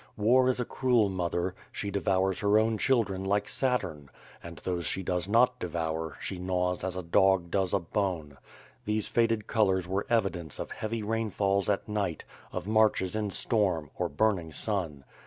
War is a cruel mother, she de vours her own children like Saturn, and those she does not ^12 WITH FIRE AND SWORD, devour, she gnaws as a dog does a bone. These faded colors were evidence of heavy rainfalls at night, of marches in storm, or burning sun.